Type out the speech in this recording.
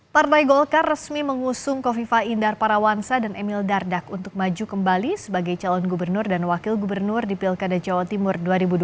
partai golkar resmi mengusung kofifa indar parawansa dan emil dardak untuk maju kembali sebagai calon gubernur dan wakil gubernur di pilkada jawa timur dua ribu dua puluh